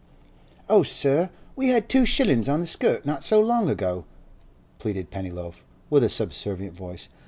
'Oh, sir, we had two shillin's on the skirt not so long ago,' pleaded Pennyloaf, with a subservient voice.